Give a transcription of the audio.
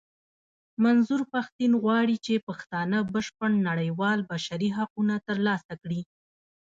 منظور پښتين غواړي چې پښتانه بشپړ نړېوال بشري حقونه ترلاسه کړي.